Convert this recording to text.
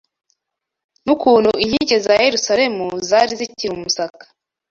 n’ukuntu inkike za Yerusalemu zari zikiri umusaka